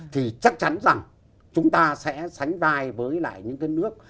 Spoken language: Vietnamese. thì chắc chắn rằng chúng ta sẽ sánh vai với lại những cái nước